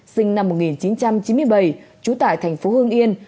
sinh năm một nghìn chín trăm chín mươi bảy trú tại thành phố hương yên